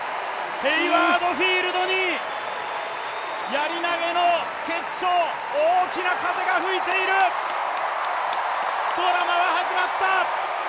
ヘイワード・フィールドにやり投の決勝、大きな風が吹いている、ドラマは始まった！